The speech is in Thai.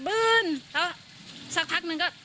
แล้วสักพักหนึ่งก็